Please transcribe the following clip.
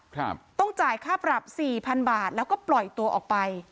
ครับต้องจ่ายค่าปรับสี่พันบาทแล้วก็ปล่อยตัวออกไป